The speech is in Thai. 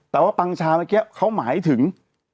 แต่ว่าปังชาเมื่อกี้เขาหมายถึง